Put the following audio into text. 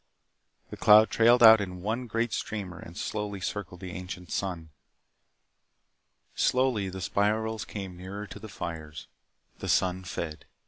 The cloud trailed out in one great streamer and slowly circled the ancient sun. Slowly the spirals came nearer to the fires. The sun fed.